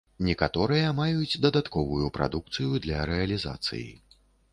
Некаторыя маюць дадатковую прадукцыю для рэалізацыі.